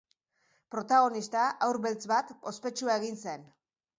Protagonista, haur beltz bat, ospetsua egin zen.